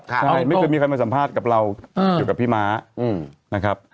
ใช่ไม่เคยมีใครมาสัมภาษณ์กับเราอยู่กับพี่ม้านะครับ